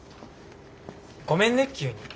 ごめんね急に。